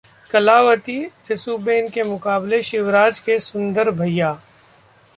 कलावती, जसूबेन के मुकाबले शिवराज के सुंदर भैया